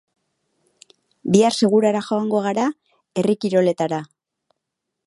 Beste aldaketa batzuk gertatu ziren.